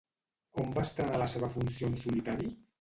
On va estrenar la seva funció en solitari?